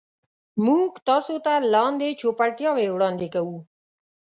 موږ تاسو ته لاندې چوپړتیاوې وړاندې کوو.